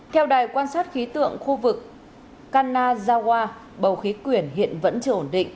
theo đài quan sát khí tượng khu vực kanazawa bầu khí quyển hiện vẫn chưa ổn định